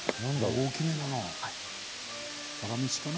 大きめだな。